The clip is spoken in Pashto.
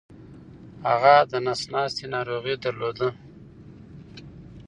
هغه دنس ناستې ناروغې درلوده